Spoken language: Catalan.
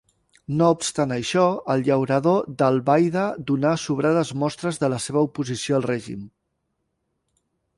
No obstant això, el llaurador d'Albaida donà sobrades mostres de la seua oposició al règim.